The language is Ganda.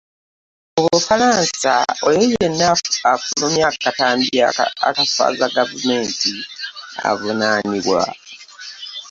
Mu Bufalansa oyo yenna afulumya akatambi akaswaza Gavumenti avunaanibwa.